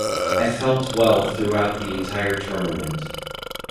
I felt well throughout the entire tournament.